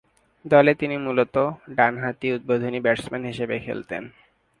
দলে তিনি মূলতঃ ডানহাতি উদ্বোধনী ব্যাটসম্যান হিসেবে খেলতেন।